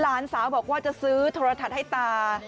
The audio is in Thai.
หลานสาวบอกว่าจะซื้อโทรทัศน์ให้ตา